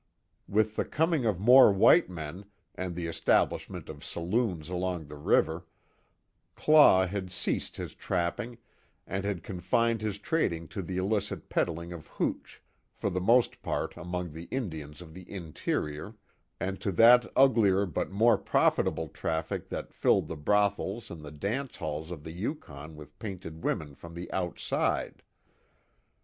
With the coming of more white men, and the establishment of saloons along the river, Claw had ceased his trapping, and had confined his trading to the illicit peddling of hooch, for the most part among the Indians of the interior, and to that uglier, but more profitable traffic that filled the brothels and the dance halls of the Yukon with painted women from the "outside."